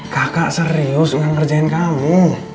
kakak serius gak ngerjain kamu